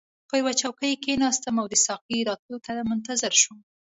پر یوه چوکۍ کښیناستم او د ساقي راتلو ته منتظر شوم.